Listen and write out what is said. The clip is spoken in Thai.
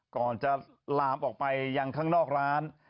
ก่อนจะลามออกไปยังข้างนอกร้าน